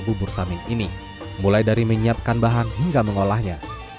bubur samin ini mulai dari menyiapkan bahan hingga mengolahnya